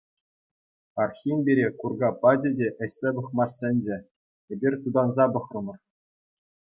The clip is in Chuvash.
Архим пире курка пачӗ те ӗҫсе пӑхма сӗнчӗ, эпир тутанса пӑхрӑмӑр.